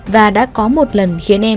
và đã có một lần